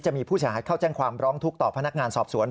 มีผู้เสียหายเข้าแจ้งความร้องทุกข์ต่อพนักงานสอบสวน